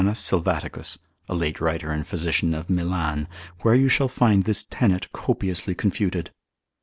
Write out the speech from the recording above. Sylvaticus, a late writer and physician of Milan, med. cont. cap. 14. where you shall find this tenet copiously confuted.